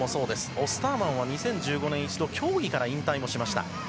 オスターマンは２０１５年、一度競技から引退もしました。